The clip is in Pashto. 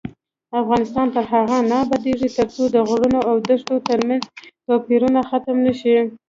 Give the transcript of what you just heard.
افغانستان تر هغو نه ابادیږي، ترڅو د غرونو او دښتو ترمنځ توپیرونه ختم نشي.